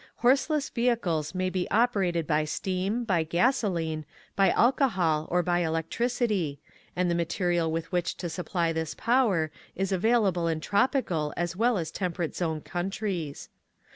Horseless vehicles may be operated by steam, by gasoline, by alcohol, or by electricity, and the material with which to supply this power is available in trop ical as well as temperate zone countries.